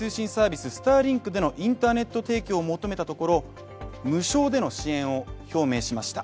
・スターリンクでのインターネット提供を求めたところ、無償での支援を表明しました。